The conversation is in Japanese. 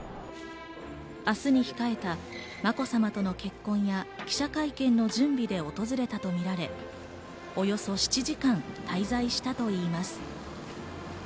明日に控えたまこさまとの結婚や記者会見の準備で訪れたとみられ、およそ７時間滞在したといいます。